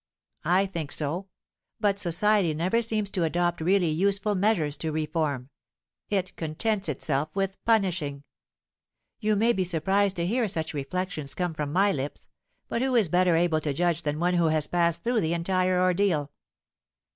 I think so; but society never seems to adopt really useful measures to reform—it contents itself with punishing. You may be surprised to hear such reflections come from my lips: but who is better able to judge than one who has passed through the entire ordeal?"